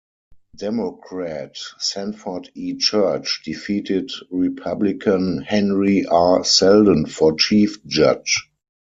Democrat Sanford E. Church defeated Republican Henry R. Selden for Chief Judge.